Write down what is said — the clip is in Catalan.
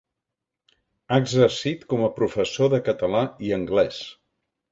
Ha exercit com a professor de català i anglès.